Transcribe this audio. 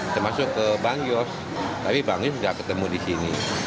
termasuk ke bang yos tapi bang yos nggak ketemu di sini